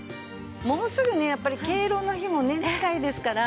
もうすぐねやっぱり敬老の日も近いですから。